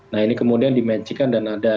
nah ini kemudian dimencikan dan ada